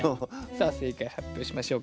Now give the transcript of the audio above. さあ正解発表しましょうか。